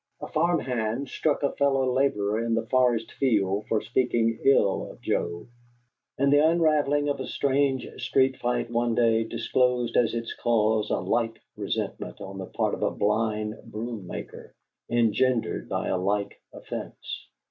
A farm hand struck a fellow laborer in the harvest field for speaking ill of Joe; and the unravelling of a strange street fight, one day, disclosed as its cause a like resentment, on the part of a blind broom maker, engendered by a like offence.